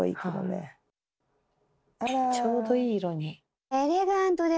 ちょうどいい色に。